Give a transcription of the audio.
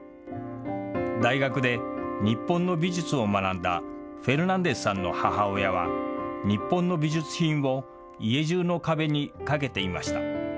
大学で日本の美術を学んだフェルナンデスさんの母親は、日本の美術品を家中の壁に掛けていました。